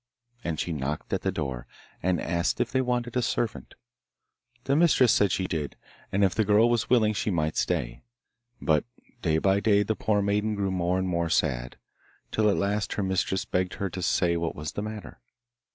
And she knocked at the door, and asked if they wanted a servant. The mistress said she did, and if the girl was willing she might stay. But day by day the poor maiden grew more and more sad, till at last her mistress begged her to say what was the matter.